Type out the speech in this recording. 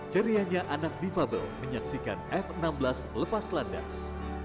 cerianya anak difabel menyaksikan f enam belas lepas landas